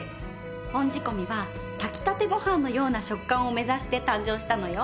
本仕込は「炊き立てごはん」のような食感を目指して誕生したのよ。